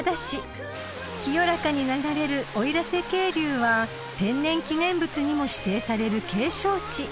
［清らかに流れる奥入瀬渓流は天然記念物にも指定される景勝地］